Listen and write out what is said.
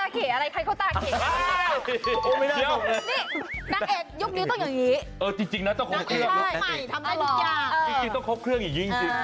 น้องกระดาษอีกท่านหนึ่งก็คือด้านนั้น